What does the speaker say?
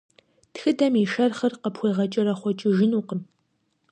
Тхыдэм и шэрхъыр къыпхуегъэкӏэрэхъуэкӏыжынукъым.